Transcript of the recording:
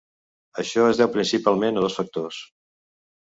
Això es deu principalment a dos factors.